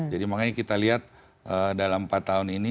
jadi makanya kita lihat dalam empat tahun ini